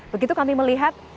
begitu kami melihat